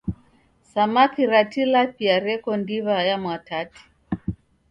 Samaki ra Tilapia reko ndiw'a ya Mwatate.